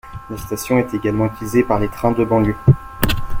La station est également utilisée par les trains de banlieue.